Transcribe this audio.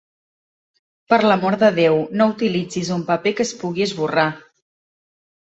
Per l'amor de Déu!, no utilitzis un paper que es pugui esborrar.